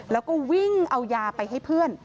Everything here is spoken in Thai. แล้วก็วิ่งเอายาไปให้เพื่อน